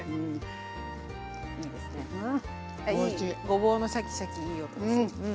ごぼうのシャキシャキいい音がする。